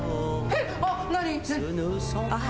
えっ！